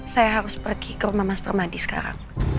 saya harus pergi ke rumah mas permandi sekarang